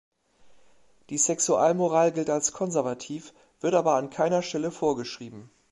Die Sexualmoral gilt als konservativ, wird aber an keiner Stelle vorgeschrieben.